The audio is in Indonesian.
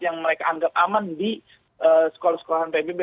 yang mereka anggap aman di sekolah sekolahan pbb